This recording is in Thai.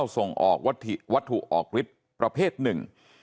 ส่งออกวัตถุวัตถุออกฤทธิ์ประเภทหนึ่ง